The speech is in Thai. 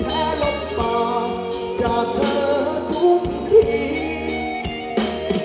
แพ้ล้มปากจากเธอทุกที